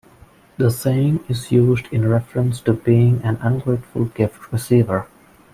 The saying is used in reference to being an ungrateful gift receiver.